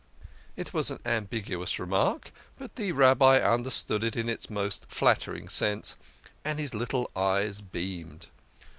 " It was an ambiguous remark, but the Rabbi understood it in its most flattering sense, and his little eyes beamed.